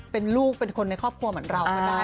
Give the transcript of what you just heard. เป็นลูกเป็นคนในครอบครัวเหมือนเราก็ได้